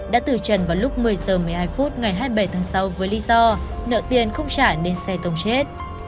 đã từ trần vào lúc một mươi h một mươi hai phút ngày hai mươi bảy tháng sáu với lý do nợ tiền không trả nên xe tông chết